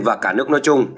và cả nước nói chung